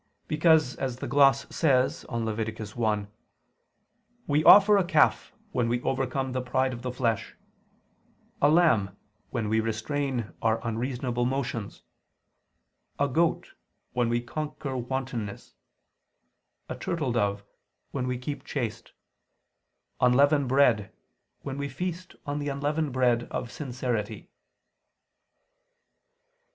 Because as the gloss says on Lev. 1, "We offer a calf, when we overcome the pride of the flesh; a lamb, when we restrain our unreasonable motions; a goat, when we conquer wantonness; a turtledove, when we keep chaste; unleavened bread, when we feast on the unleavened bread of sincerity."